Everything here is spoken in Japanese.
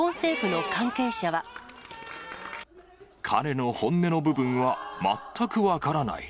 彼の本音の部分は、全く分からない。